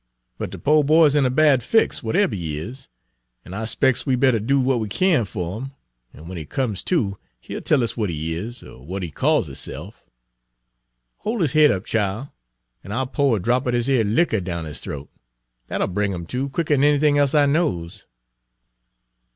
But de po' boy 's in a bad fix, w'ateber he is, an' I 'spec's we bettah do w'at we kin fer 'im, an' w'en he comes to he 'll tell us w'at he is er w'at he calls hisse'f. Hol' 'is head up, chile, an' I 'll po' a drop er dis yer liquor down his th'oat; dat 'll bring 'im to quicker 'n anything e'se I knows."